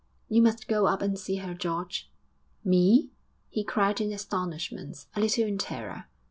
'You must go up and see her, George!' 'Me!' he cried in astonishment, a little in terror.